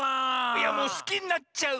いやもうすきになっちゃう。